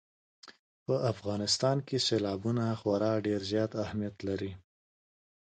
په افغانستان کې سیلابونه خورا ډېر زیات اهمیت لري.